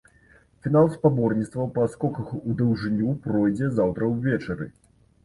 Фінал спаборніцтваў па скоках у даўжыню пройдзе заўтра ўвечары.